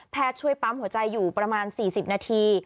ช่วยปั๊มหัวใจอยู่ประมาณ๔๐นาที